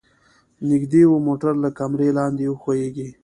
نږدې و موټر له کمره لاندې وښویيږي.